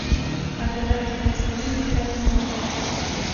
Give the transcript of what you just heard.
عدالت د یوې سالمې ټولنې بنسټ دی.